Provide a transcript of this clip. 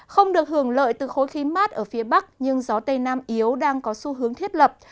không được hưởng lợi từ khối khí mát ở phía bắc nhưng gió tây nam yếu đang có xu hướng thiết lập